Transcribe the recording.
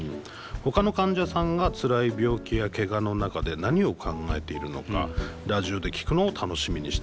ほかの患者さんがつらい病気やけがの中で何を考えているのかラジオで聴くのを楽しみにしています」という。